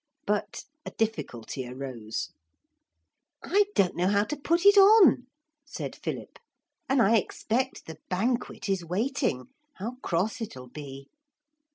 But a difficulty arose. 'I don't know how to put it on,' said Philip; 'and I expect the banquet is waiting. How cross it'll be.'